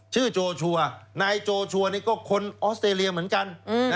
โจชัวร์นายโจชัวร์นี่ก็คนออสเตรเลียเหมือนกัน